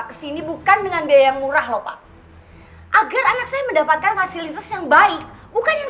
kesini bukan dengan biaya yang murah lho pak agar anak saya mendapatkan fasilitas yang baik bukan yang